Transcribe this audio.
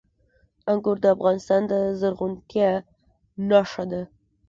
انګور د افغانستان د زرغونتیا نښه ده.